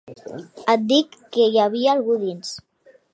Et dic que hi havia algú a dins.